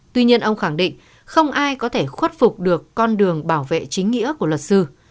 tuy nhiên ông khẳng định không ai có thể khuất phục được con đường bảo vệ chính nghĩa của luật sư